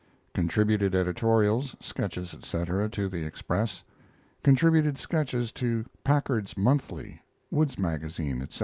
Contributed editorials, sketches, etc., to the Express. Contributed sketches to Packard's Monthly, Wood's Magazine, etc.